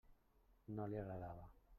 No li agradava.